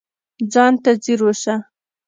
ځان ته ځیر اوسه